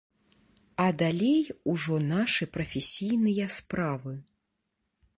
А далей ужо нашы прафесійныя справы.